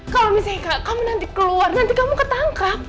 kalau misalnya kamu nanti keluar nanti kamu ketangkap